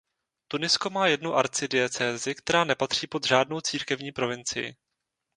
Tunisko má jednu arcidiecézi která nepatří pod žádnou církevní provincii.